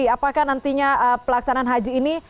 apakah nantinya pelaksanaan haji ini